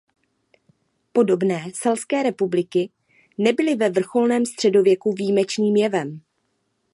Podobné selské republiky nebyly ve vrcholném středověku výjimečným jevem.